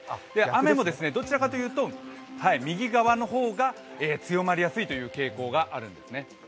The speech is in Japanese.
雨もどちらかというと右側の方が強まりやすいという傾向があるんですね。